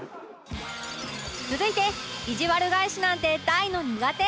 続いていじわる返しなんて大の苦手！